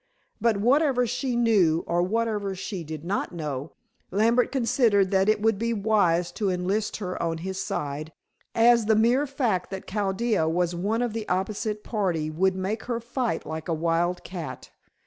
But, whatever she knew, or whatever she did not know, Lambert considered that it would be wise to enlist her on his side, as the mere fact that Chaldea was one of the opposite party would make her fight like a wild cat.